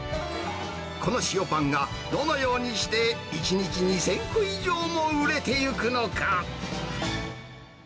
この塩パンが、どのようにして１日２０００個以上も売れてゆくのか。